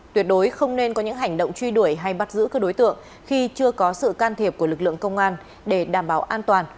tuyệt đối không nên có những hành động truy đuổi hay bắt giữ các đối tượng khi chưa có sự can thiệp của lực lượng công an để đảm bảo an toàn